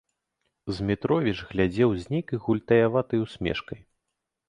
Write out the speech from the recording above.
Змітровіч глядзеў з нейкай гультаяватай усмешкай.